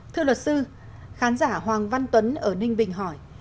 thưa luật sư khán giả hoàng văn tuấn ở ninh bình hỏi